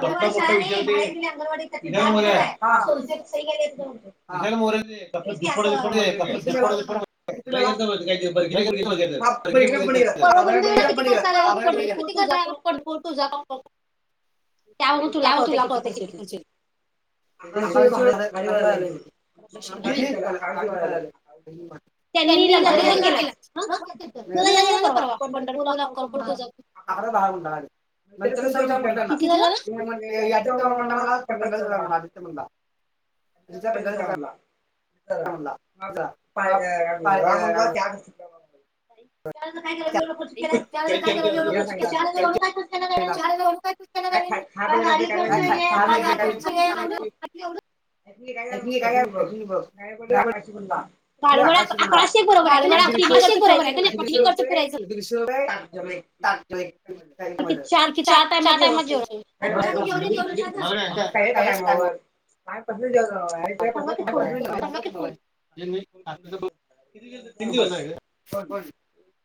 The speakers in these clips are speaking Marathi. विशाल मोरे त्यान मरू दे एकदा कसं दुप्पट दुप्पट वर्गीचे पुढे [unintelligible] त्यावेळी तुला कळतंय किती खर्च येतोय. गेलं [unintelligible] त्यांनी लक्झरी घेऊन गेलात गेल्यात तुला गेला ना येणार आहेत परवा पंढरपूर पंढरपूर. अक्कलकोट तुळजापूर अकरा बारा म्हणला त्याला सविता म्हटलं ना [unintelligible] किती झालं? यादीत मला पंधरा [unintelligible] म्हणला तिचा. [unintelligible] मग आप- पा- त्यावेळेला काय करावं एवढं खर्च केला? केला. चार हजार रुपये खर्च का [unintelligible] केला त्यावेळी. काय खा खात आहे काय ऐकली काय [unintelligible] अकराशे एक बरोबर आहे का गाडीवाला नाही किती अकराशे खर्च प्राईस बोललाय. म्हणून दीडशे रुपये [unintelligible] किती चार चार टायमाचं [unintelligible] काय पण? जेवण काय असं नाही जेवण. काय टायमावर. [unintelligible] थांबा ती काय फोन पसंत येतोय नाही. मला. सांगा की फोन. बंद आहे [unintelligible] पण.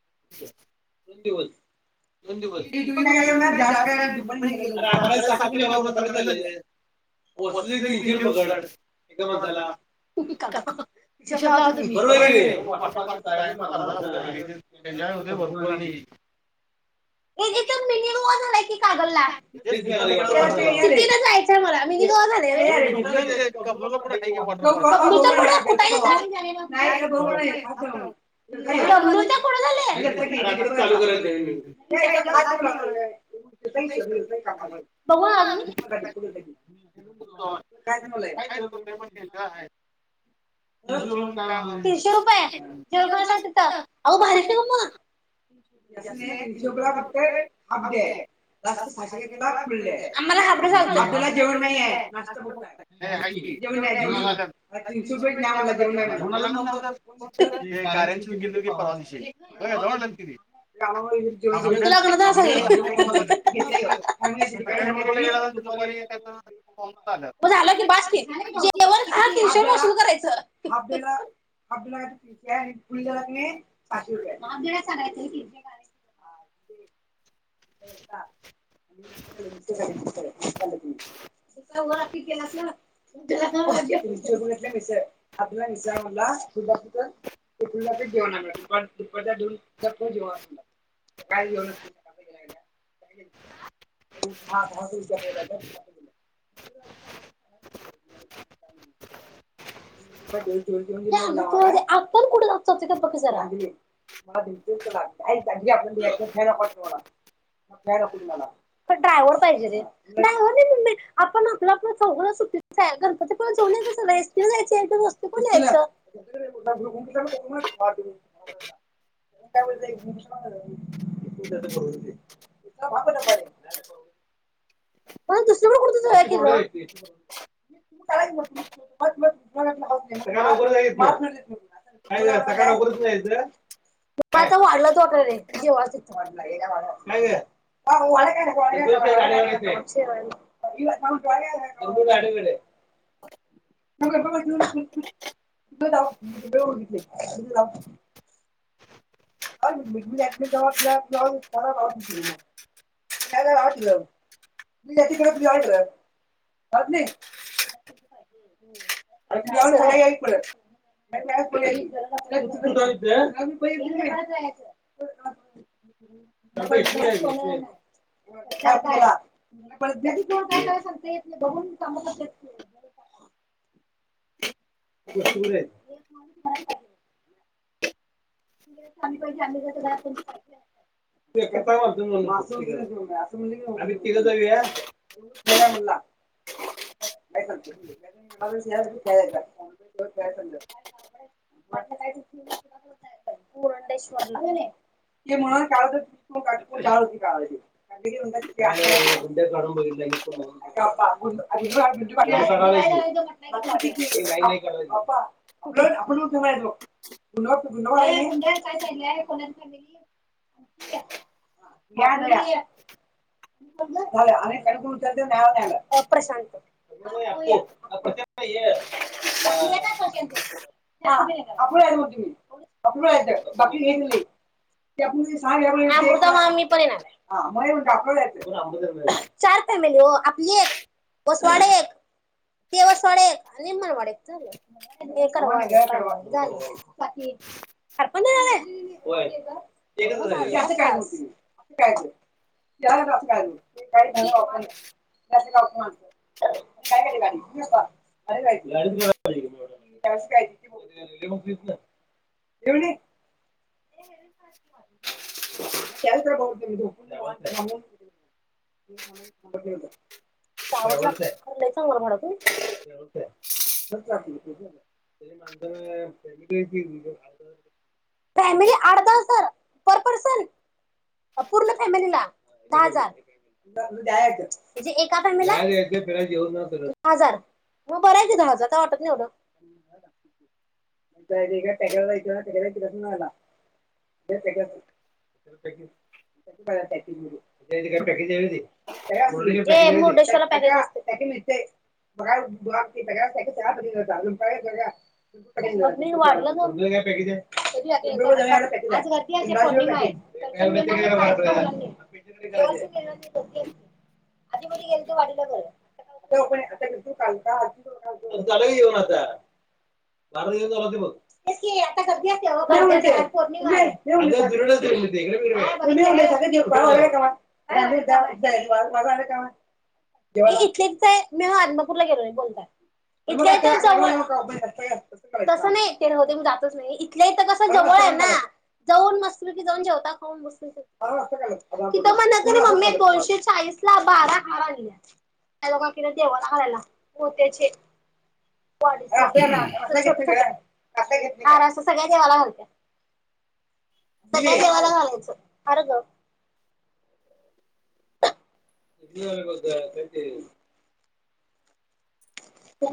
[unintelligible] किती दिवस? [unintelligible] दोन दिवस ती तुम्ही पण काय अरे म्हणणार जास्त काय दुपारी गेलो आणि अठराशे आठवड्यात साठ सातवी रुपये जेवणाचा सतराशे झाले. करायचं मोस्टली तीनशे रुपये पकड एका काय म्हणता ना? माणसाला काका हिशोब लावा तुम्ही बरोबर आहे की नाही वॉटर पार्क जायचं [unintelligible] वर आणि इथं तर मिनी गोवा झालाय की कागलला [unintelligible] तेच इथं तिकडं पार्लर सुट्टीला जायचं हाय मला. वाटतं. इथं कबनूरला पण आहे की वॉटर पार्क चालू करायचं आहे. बघू ना अजून [unintelligible] कबनूरच्या पुढे झालंय? चालू करायचं [unintelligible] काय तो ते पण [unintelligible] आहे. तुमची पण काय म्हणा. तीनशे रुपये जेवण करू जेवण [inaudible] शकता अहो भारीे बाहेर की ओ मग. इसने तीनशे रुप इंस्टोग्राम फक्त पे हाफ अब डे दे हाय दस मला हजार के लाख मिल जाए मला हाफ डे खबर ते- चालतोय नव्हतं हाफ डे मला जेवण नाहीये नाही आहे [unintelligible] नाश्ता फक्त आहे. नाही, हाय की जेवण आहे जीव जेवण आलं आहे. तीनशे रुपये नाही म्हणला जेवण आहे कोणाला नव्हतं ते गाऱ्यांची गेलो की परवा दिवशी बघा जाऊन आलं किती जेवण- आपल्या तुला म्हणत होते, आपल्या आपल्या [unintelligible] दुपारी एखादं दीड पावणे बारा. मग झालं की बास की जेवण खा तीनशे वसूल [unintelligible] करायचं हाफ डे आपल्या ला हाफ डेला काहीतरी तीनशे हाय त्या आणि पुढे फुल्लला गेला की नाही. नई सहाशे रुपये हाय. [unintelligible] केला असेल [inaudible] तीनशे रुपये घेतलं तर मिसळ आपला मिसळ मधला ते बाकीच [unintelligible] जेवणाकड दुपारच्या दोन वाजणार मग काय जेवण असतंय तिथं काय माहित [inaudible] [unintelligible] कुठ जातोय का बघ की जरा. पण ड्रायव्हर पाहिजे रे. ड्रायव्हर बी मम्मे आपण आपलं आपलं चौघच सुट्टीला गणपतीपुळेला जाऊन याय सगळ [inaudible] [unintelligible] पण दुसरीकड कुठतरी जाऊया की ओ. [unintelligible] काय ग? [unintelligible] [unintelligible] [unintelligible] [unintelligible] [unintelligible] विचार करा. परत कोण काय काय सांगतय ते बघून त्यामुळे [unintelligible] [unintelligible] आहेत. [unintelligible] पाहिजे [unintelligible] मग असं [unintelligible] आणि तीघ जाऊया [unintelligible] काय म्हंटला? [unintelligible] मुरुडेशव्हरला [unintelligible] [unintelligible] प्रशांत [unintelligible] आपण जायचंय बाकी न्हायची नाही [unintelligible] चार फॅमिली ओ आपली एक वसवाड एक ते वर सोडे आणि मारवाड एक झालं. [unintelligible] झालं. हा पण येणार हाय? होय. [unintelligible] झाली तुझी [unintelligible] [unintelligible] फॅमिली आड दहा सर पर पर्सन पूर्ण फॅमिलीला? दहा हजार म्हणे एका काय म्हटलंय दहा हजार हो बर आहे की नाही दहा हजार काय वाटत नाही एवढं. हे फोटो नाही वाटलं नव्हतं. [unintelligible] आज गर्दी आहे. [unintelligible] हो आता गर्दी असते हो वटपौर्णिमा आहे [unintelligible] [inaudible] नाही इथ इथ कस जवळ आहे ना जाऊन मस्त पैकी जाऊन जेवता खाऊन बस तिथ पणे मम्मी दोनशे चाळीस ला बारा हार आणल्या देवाला घालायला मोत्याचे [unintelligible] आता घे ह असं सगळ्या देवाला घालतात. सगळ्या देवाला घालायचं. हार ग. [inaudible] [inaudible] दे की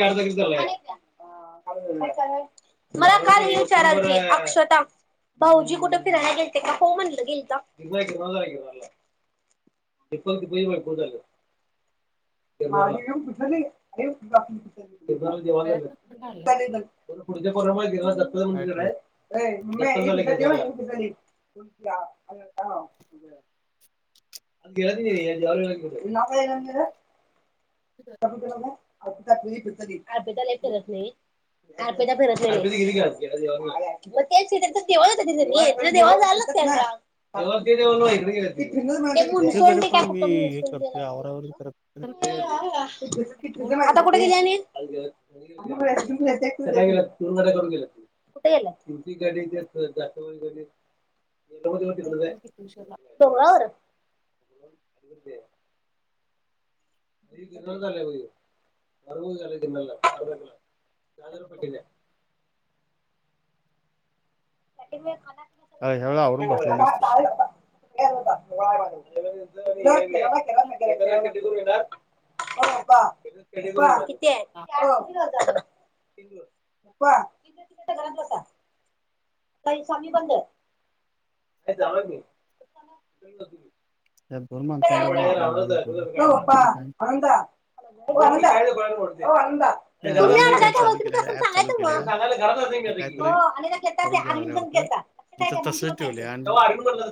अर्धा कि मला एक द्या मला हार की अक्षदा भाऊजी कुठे फिरायला गेलते का हो म्हटलं गेलत [inaudible] [inaudible] देवा काय पुढच्या दत्त ठेवलं मंदिरात आहेत. [inaudible] [inaudible] [unintelligible] [inaudible] लय फिरत नाहीत. [unintelligible] फिरत नाहीं लय [unintelligible] मग तेच कि तेंच [unintelligible] नि देवाला जायला लागतंय आता [unintelligible] [unintelligible] आता इथे तरी पण मी हे करतोय आवारावर करत अ कुठे गेल्या आणि? [unintelligible] कुठ गेल्यात [unintelligible] डोंगरावर [inaudible] [inaudible] जागर [inaudible] ह्या वेळा आवरून बसलेलीस तू. [unintelligible] [inaudible] [inaudible] [unintelligible] [unintelligible] [inaudible] बंद त्यात दोन माणसांच्या मुळे आपला घोळ होतो हो पप्पा बाकीच काय आनंदा [unintelligible] ते अंजलीने काय चालू केल्या काय ऍप [unintelligible] चालू केल्या ते कायतरी तुम्ही करून घ्यायला वाटतं नंतर सांगायचं तसंच ठेवले आणि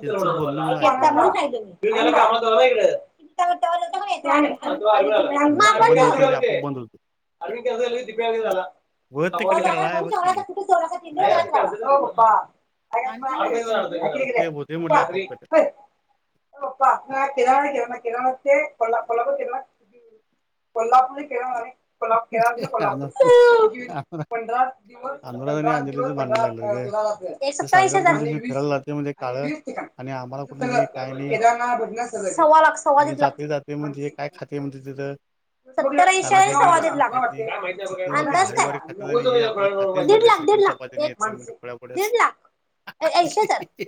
त्यांचं बोलणं मला ऐकायला लागलंय. [unintelligible] [unintelligible] बंद करा. हम्म. ते बंद होत नाही ते आपोआप बंद होते. वर तिकडे करायलाय बघ की कुठं काय. अंजलीला विचारा की ते होतंय म्हटले आपोआप कट. [unintelligible] [unintelligible] कोल्हापूर ते अनु- कोल्हापूर अनु- पंधरा अनुराग आणि अंजलीचं भांडण लागलं ग दिवस ते [unintelligible] पैशाच सारखं कोण आणि दिवशी वीस फिरायला जाते म्हणजे काळं वीस ठिकाण आणि आम्हाला कुठं नाही काय नाही केदारनाथ सव्वा लाख सव्वा आणि दिड लाख जाते जाते म्हणजे काय खाते म्हणते तिथं सतर ऐशी [unintelligible] कांदा खात नाही सव्वा दीड लाख ते मात्र अंदाज भारी काय भारी खात्यात आणि हे आपलं खाते दीड म्हणले लाख दीड श्रीखंड लाख चपाती आणि एक येतया म्हनल खुळ्या बोड्याचं दीड लाख हाह हह हा ऐंशी ही हजार ही ही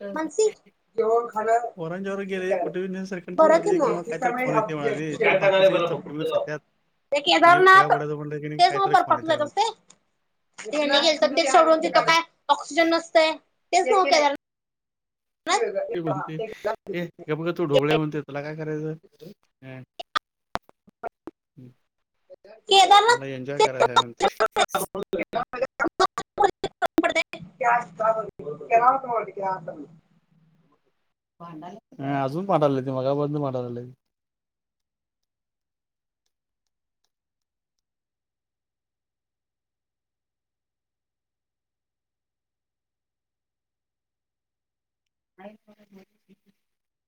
हह हा हा ही ही जेऊन खाण घेऊन जायचं बी नाही श्रीखंड बर कि चपाती मग किंवा काहीतरी खाऊन येते म्हणाले ते बाकी सगळे चपचपी [unintelligible] खात्यात ते आणि केदारनाथ खोळ्या खोड्याचं म्हणलं की नाही तेच म काहीतरी खाऊन वरपर्यंत येते जायचं म्हणे असते यांनी खायचा गेलते ते प्रश्न सोडून तिथं नाही. काय ऑक्सिजन नसते तेच केदारनाथ ते म्हणते ए गप ग तू ढोबळे म्हणते तुला काय करायचं ह्या मला एन्जॉय केदारनाथ करायच आहे म्हणते. तत [inaudible] भांडालेत अजून भांडालेत ते मगापासून भांड्या लागलेत [inaudible]